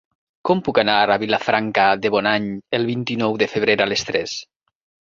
Com puc anar a Vilafranca de Bonany el vint-i-nou de febrer a les tres?